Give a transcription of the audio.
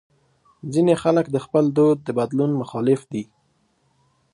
ځینې خلک د خپل دود د بدلون مخالف دي.